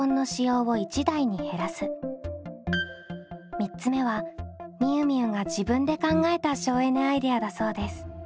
３つ目はみゆみゆが自分で考えた省エネアイデアだそうです。